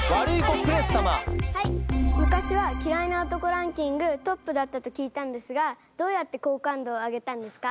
昔は嫌いな男ランキングトップだったと聞いたんですがどうやって好感度を上げたんですか？